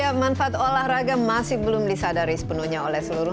ya manfaat olahraga masih belum disadari sepenuhnya oleh seluruh